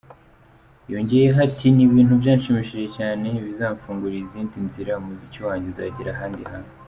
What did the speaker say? Yongeyeho ati “Ni ibintu byanshimishije cyane, bizamfungurira izindi nzira, umuziki wanjye uzagera ahandi hantu.